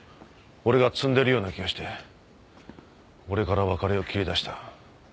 俺が摘んでるような気がして俺から別れを切り出した。